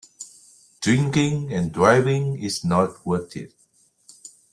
Drinking and driving is not worth it.